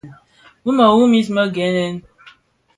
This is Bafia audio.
Bi mëru mis më gènè.